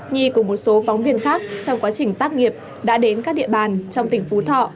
nhi cùng một số phóng viên khác trong quá trình tác nghiệp đã đến các địa bàn trong tỉnh phú thọ